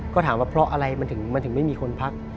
ก็ถามว่าเพราะอะไรมันถึงไม่มีคนพัก